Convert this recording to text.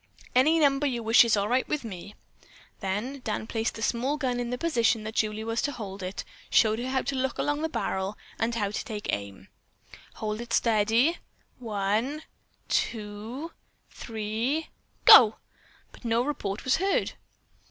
"Any number you wish is all right with me." Then Dan placed the small gun in the position that Julie was to hold it, showed her how to look along the barrel, and how to take aim. "Hold it steady! One, two, three, go!" But no report was heard.